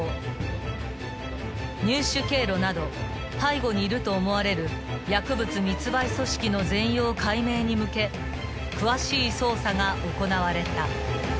［入手経路など背後にいると思われる薬物密売組織の全容解明に向け詳しい捜査が行われた］